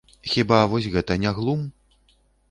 Хіба вось гэта не глум?